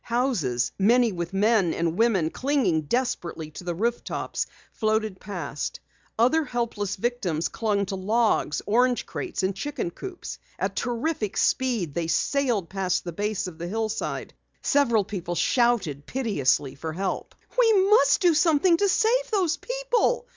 Houses, many with men and women clinging desperately to rooftops, floated past. Other helpless victims clung to logs, orange crates and chicken coops. At terrific speed they sailed past the base of the hillside. Several shouted piteously for help. "We must do something to save those people!"